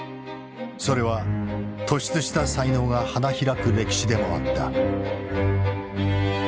それは突出した才能が花開く歴史でもあった。